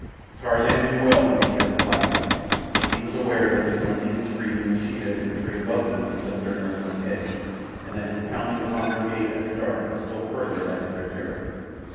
Tarzan knew well the nature of the black man. He was aware that the grunting and screaming of Sheeta in the tree above them would set their nerves on edge, and that his pounding upon their gate after dark would still further add to their terror.